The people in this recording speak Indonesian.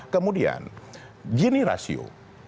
kemudian gini rasio